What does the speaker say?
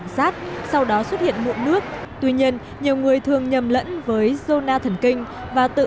sát sau đó xuất hiện mụn nước tuy nhiên nhiều người thường nhầm lẫn với zona thần kinh và tự